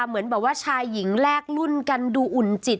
เหมือนแบบว่าชายหญิงแลกรุ่นกันดูอุ่นจิต